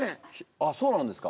あっそうなんですか。